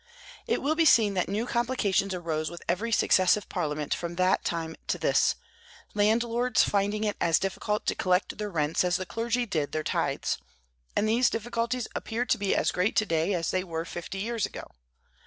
It will be seen that new complications arose with every successive Parliament from that time to this, landlords finding it as difficult to collect their rents as the clergy did their tithes. And these difficulties appear to be as great to day as they were fifty years ago.